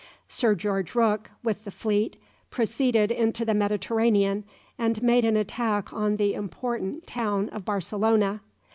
Sir George Rooke, with the fleet, proceeded into the Mediterranean and made an attack on the important, town of Barcelona.